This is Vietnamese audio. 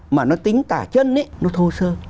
mà nó tính tả chân nó thô sơ